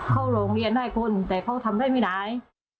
เข้าโรงเรียนได้คนแต่เขาทำได้ไม่ไหน